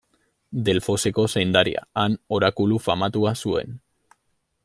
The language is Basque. Delfoseko zaindaria, han orakulu famatua zuen.